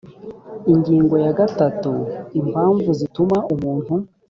ingingo ya gatatu impamvu zituma umuntu